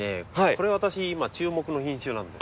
これ私今注目の品種なんです。